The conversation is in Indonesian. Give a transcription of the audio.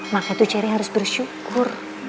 makanya tuh cherry harus bersyukur